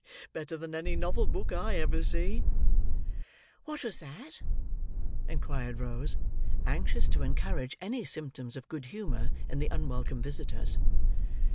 Better than any novel book I ever see!" "What was that?" inquired Rose: anxious to encourage any symptoms of good humour in the unwelcome visitors.